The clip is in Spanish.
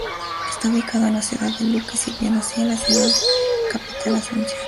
Está ubicado en la ciudad de Luque, sirviendo así a la ciudad capital, Asunción.